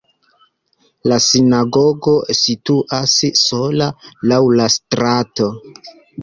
La sinagogo situas sola laŭ la strato.